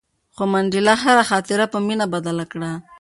خو منډېلا هره خاطره په مینه بدله کړه.